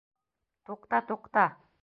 Туҡта, туҡта.